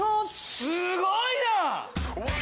すごいなあ！